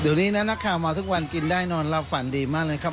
ดีนี้นะฮะมาทุกวันกินได้นอนลับฝันดีมากเลยครับ